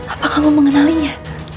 apakah kamu mengenalinya